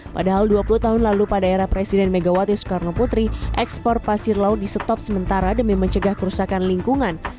padahal dua puluh tahun lalu pada era presiden megawati soekarno putri ekspor pasir laut di stop sementara demi mencegah kerusakan lingkungan